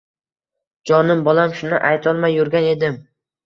Jonim bolam, shuni aytolmay yurgan edim